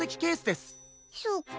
そっか。